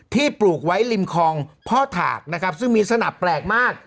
ปลูกไว้ริมคลองพ่อถากนะครับซึ่งมีสนับแปลกมาก